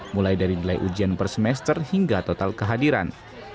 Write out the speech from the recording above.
mulai dari nilai ujian per semester hingga total kehadiran